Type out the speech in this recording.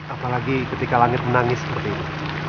apalagi ketika langit menangis seperti ini